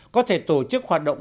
có thể tổ chức hoạt động